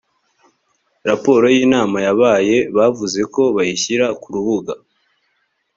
raporo y’inama yabaye bavuzeko bayishyira ku rubuga